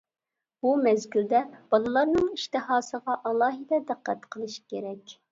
بۇ مەزگىلدە بالىلارنىڭ ئىشتىھاسىغا ئالاھىدە دىققەت قىلىش كېرەك.